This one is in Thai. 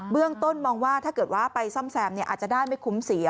ต้นมองว่าถ้าเกิดว่าไปซ่อมแซมอาจจะได้ไม่คุ้มเสีย